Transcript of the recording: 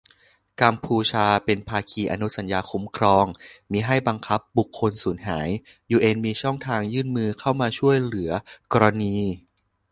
กัมพูชาเป็นภาคีอนุสัญญาคุ้มครองมิให้บังคับบุคคลสูญหาย ยูเอ็นมีช่องทางยื่นมือเข้ามาช่วยเหลือกรณี